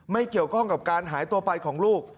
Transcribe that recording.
ไม่เกี่ยวข้องกับการหายตัวไปของลูก